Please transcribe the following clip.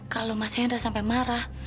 kalau mas hendra sampai marah